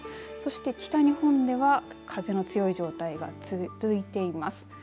そして北日本では風の強い状態が続いています。